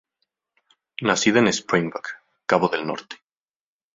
Nacida en Springbok, Cabo Del norte.